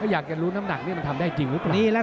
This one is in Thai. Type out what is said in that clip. อยากจะรู้น้ำหนักนี้มันทำได้จริงหรือเปล่า